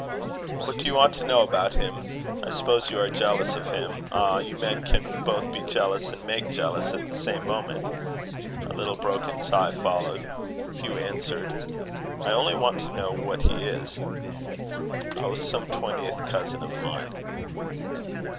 "What do you want to know about him? I suppose you are jealous of him. Ah! you men can both be jealous and make jealous at the same moment." A little broken sigh followed. Hugh answered: "I only want to know what he is." "Oh! some twentieth cousin of mine."